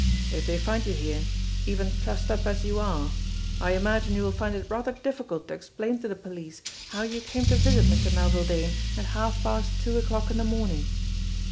If they find you here, even trussed up as you are, I imagine you will find it rather diffi cult to explain to the police how you came to visit Mr. Melville Dane at half past two o'clock in the morning.